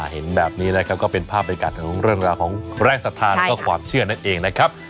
เห็นแบบนี้แหละครับก็เป็นภาพอากาศของเรื่องราวของแรกสถานก็ความเชื่อนั่นเองนะครับ